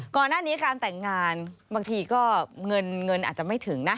ก่อนหน้านี้การแต่งงานบางทีก็เงินเงินอาจจะไม่ถึงนะ